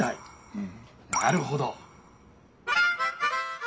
うんなるほど！